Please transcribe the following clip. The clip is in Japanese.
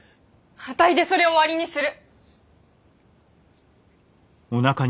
あたいでそれを終わりにする！